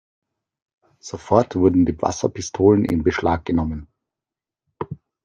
Sofort wurden die Wasserpistolen in Beschlag genommen.